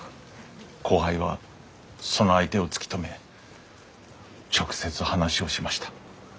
後輩はその相手を突き止め直接話をしました。